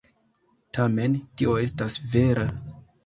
Tamen tio estas vera.